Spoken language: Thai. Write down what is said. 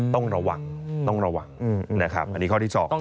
ต้องระวังนะครับอันนี้ข้อที่สอง